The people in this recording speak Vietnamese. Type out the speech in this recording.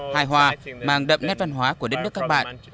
hai hoa mang đậm nét văn hóa của đất nước các bạn